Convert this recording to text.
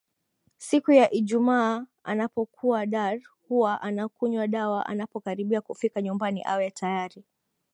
Siku ya ijumaa anapokuwa Dar huwa anakunywa dawa anapokaribia kufika nyumbani awe tayari